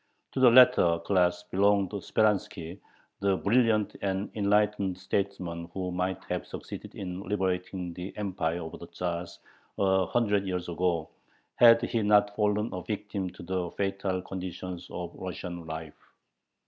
To the latter class belonged Speranski, the brilliant and enlightened statesman who might have succeeded in liberating the Empire of the Tzars a hundred years ago, had he not fallen a victim to the fatal conditions of Russian life.